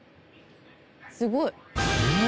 すごい。